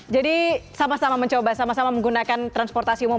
jadi sama sama mencoba sama sama menggunakan transportasi umum